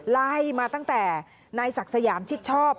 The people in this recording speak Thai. ไล่มาตั้งแต่นายศักดิ์สยามชิดชอบ